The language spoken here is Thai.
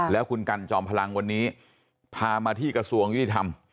แล้วคุณกันจอมพลังวันนี้พามาที่กระทรวงยุติธรรม